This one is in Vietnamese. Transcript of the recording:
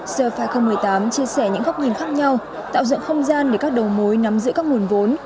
sơ pha hai nghìn một mươi tám chia sẻ những góc nhìn khác nhau tạo dựng không gian để các đầu mối nắm giữ các nguồn vốn